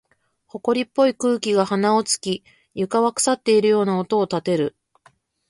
埃っぽい空気が鼻を突き、床は腐っているような音を立てる。